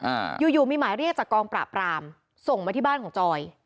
อ่าอยู่อยู่มีหมายเรียกจากกองปราบรามส่งมาที่บ้านของจอย